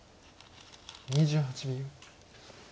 ２８秒。